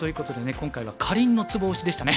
今回はかりんのツボ推しでしたね。